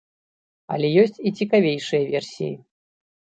Але ёсць і цікавейшыя версіі.